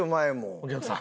お客さん？